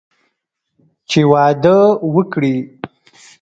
چې واده وکړي.